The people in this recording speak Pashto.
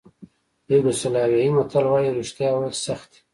یوګوسلاویې متل وایي رښتیا ویل سخت دي.